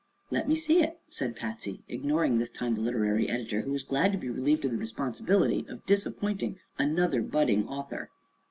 "Let me see it," said Patsy, ignoring this time the literary editor, who was glad to be relieved of the responsibility of disappointing another budding author.